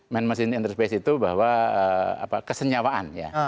man machine interface itu bahwa kesenyawaan ya